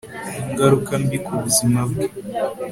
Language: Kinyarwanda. ingaruka mbi ku buzima bwe